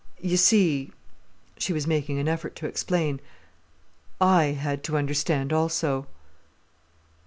"You see"—she was making an effort to explain—"I had to understand also."